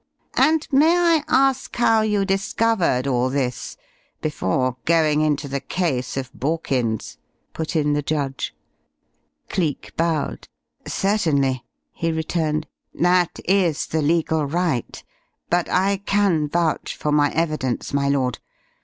And may I ask how you discovered all this, before going into the case of Borkins?" put in the judge. Cleek bowed. "Certainly," he returned. "That is the legal right. But I can vouch for my evidence, my lord.